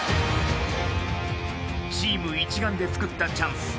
チーム一丸で作ったチャンス。